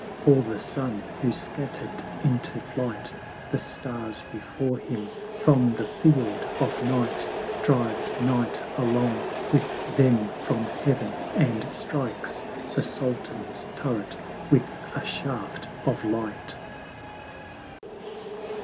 For the Sun, who scatter'd into flight The Stars before him from the Field of Night, Drives Night along with them from Heav'n, and strikes The Sultan's Turret with a Shaft of Light.